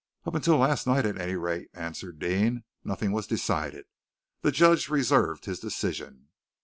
"Up till last night, at any rate," answered Deane, "nothing was decided. The judge reserved his decision."